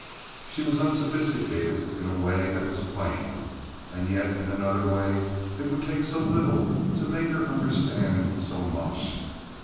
She was unsophisticated, in a way, that was plain, and yet in another way it would take so little to make her understand so much.